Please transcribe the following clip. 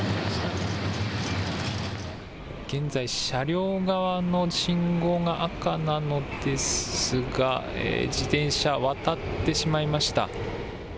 現在、車両側の信号が赤なのですが、自転車、渡ってしまいました。